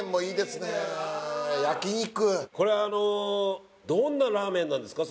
これはあのどんなラーメンなんですか？